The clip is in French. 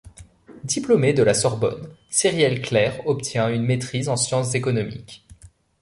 Diplômée de la Sorbonne, Cyrielle Clair obtient une maîtrise en sciences économiques.